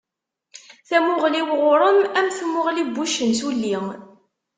Tamuɣli-w ɣur-m am tmuɣli n wuccen s wulli.